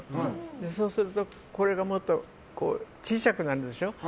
そうするとこれがもっと小さくなるでしょ。